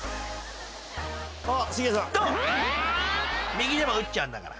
右でも打っちゃうんだから］